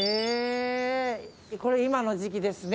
今の時期ですね。